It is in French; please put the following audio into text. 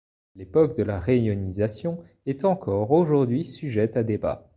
L’époque de la réionisation est encore aujourd’hui sujette à débats.